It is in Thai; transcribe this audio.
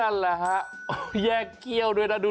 นั่นแหละฮะแยกเขี้ยวด้วยนะดู